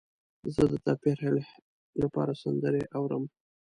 زه د تفریح لپاره سندرې اورم.